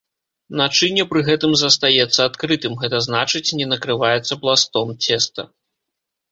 Начынне пры гэтым застаецца адкрытым, гэта значыць не накрываецца пластом цеста.